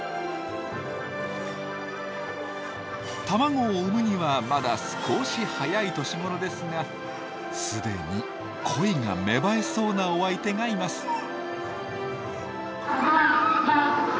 卵を産むにはまだ少し早い年頃ですが既に恋が芽生えそうなお相手がいます。